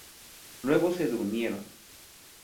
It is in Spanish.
Luego se durmieron.